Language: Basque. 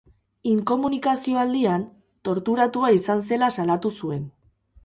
Inkomunikazio aldian, torturatua izan zela salatu zuen.